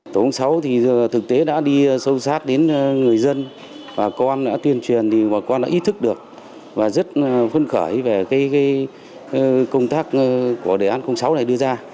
tổ công sáu thì thực tế đã đi sâu sát đến người dân bà con đã tuyên truyền thì bà con đã ý thức được và rất phấn khởi về công tác của đề án sáu này đưa ra